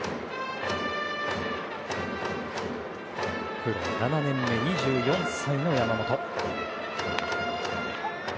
プロ７年目、２４歳の山本。